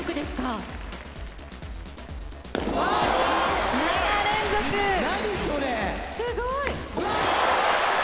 すごい。